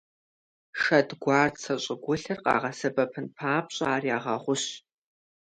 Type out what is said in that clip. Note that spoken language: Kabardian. Шэдгуарцэ щӀыгулъыр къагъэсэбэпын папщӀэ, ар ягъэгъущ.